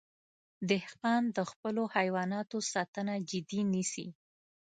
دهقان د خپلو حیواناتو ساتنه جدي نیسي.